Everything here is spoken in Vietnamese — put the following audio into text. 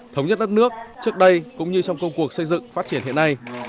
thống nhất đất nước trước đây cũng như trong công cuộc xây dựng phát triển hiện nay